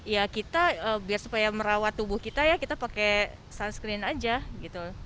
ya kita biar supaya merawat tubuh kita ya kita pakai sunscreen aja gitu